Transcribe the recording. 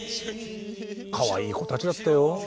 かわいい子たちだったよ。